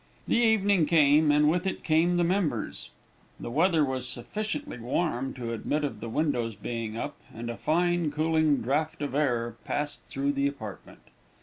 The evening came, and with it came the members. The weather was sufficiently warm to admit of the windows being up, and a fine, cooling draught of air passed through the apartment.